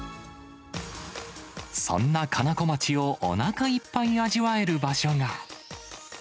そんなかなこまちをおなかいっぱい味わえる場所が。